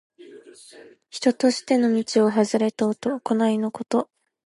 人としての道をはずれた行いのこと。